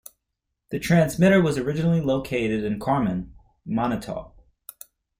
The transmitter was originally located in Carman, Manitoba.